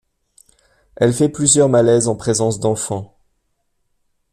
Elle fait plusieurs malaises en présence d'enfants.